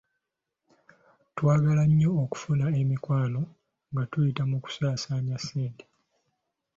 Twagala nnyo okufuna emikwano nga tuyita mu kusaasaanya ssente.